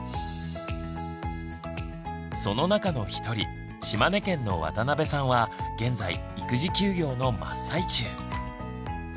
その中の一人島根県の渡邊さんは現在育児休業の真っ最中。